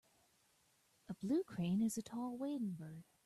A blue crane is a tall wading bird.